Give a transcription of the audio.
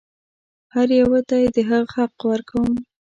هر یوه ته د هغه حق ورکوم.